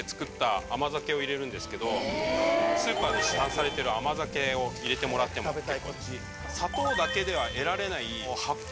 スーパーで市販されてる甘酒を入れてもらっても結構です。